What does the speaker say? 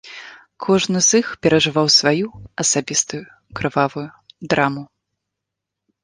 Кожны з іх перажываў сваю асабістую крывавую драму.